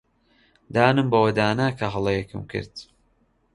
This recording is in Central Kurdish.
دانم بەوەدا نا کە هەڵەیەکم کرد.